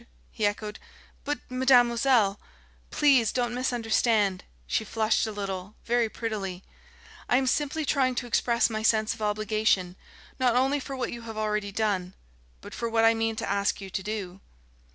he echoed. "But, mademoiselle !" "Please don't misunderstand." She flushed a little, very prettily. "I am simply trying to express my sense of obligation, not only for what you have already done, but for what I mean to ask you to do."